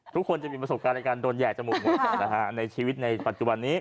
ทุกคนจะมีประสบการณ์ในการโดนแห่จมูกหมดในชีวิตในปัจจุบันนี้